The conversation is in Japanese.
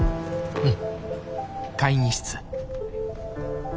うん。